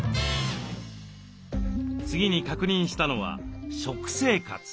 次に確認したのは食生活。